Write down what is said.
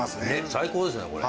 最高ですねこれ。